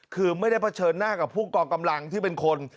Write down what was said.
คือไม่ได้เผชิญหน้ากับผู้กองกำลังที่เป็นคน